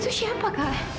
itu siapa kak